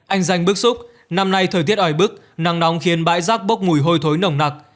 anh danh bức xúc năm nay thời tiết ài bức nắng nóng khiến bãi rác bốc mùi hôi thối nồng nặc